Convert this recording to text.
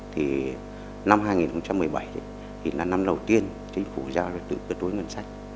thì năm hai nghìn một mươi bảy thì là năm đầu tiên chính phủ giao ra tự cơ tối ngân sách